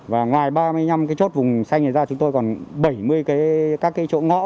và ngoài ba mươi năm cái chốt vùng xanh này ra chúng tôi còn bảy mươi các cái chỗ ngõ